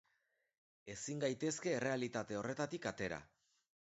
Ezin gaitezke errealitate horretatik atera.